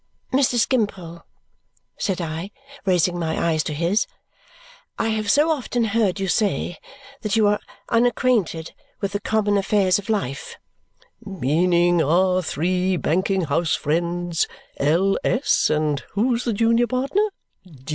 "Mr. Skimpole," said I, raising my eyes to his, "I have so often heard you say that you are unacquainted with the common affairs of life " "Meaning our three banking house friends, L, S, and who's the junior partner?